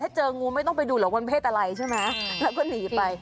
ถ้าเจองูไม่ต้องไปดูเหรอมันเพศอะไรใช่ไหมแล้วคุณหนีไป